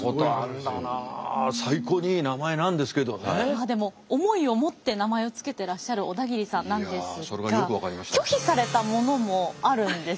まあでも思いを持って名前を付けてらっしゃる小田切さんなんですが拒否されたものもあるんです。